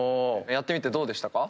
やってみてどうでしたか？